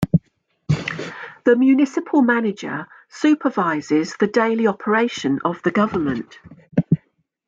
The municipal manager supervises the daily operation of the government.